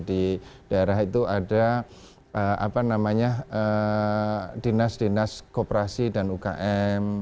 di daerah itu ada dinas dinas kooperasi dan ukm